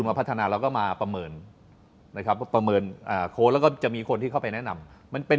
ไม่มาให้แนะนำ